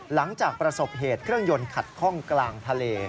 หลังจากประสบเหตุเครื่องยนต์ขัดข้องกลางทะเล